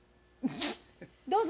どうぞ。